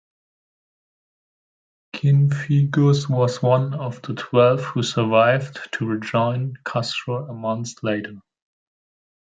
Cienfuegos was one of the twelve who survived to rejoin Castro a month later.